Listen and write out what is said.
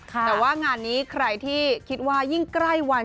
แต่ว่างานนี้ใครที่คิดว่ายิ่งใกล้วัน